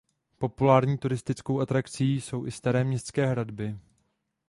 Populární turistickou atrakcí jsou i staré městské hradby.